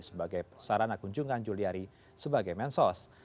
sebagai sarana kunjungan juliari sebagai mensos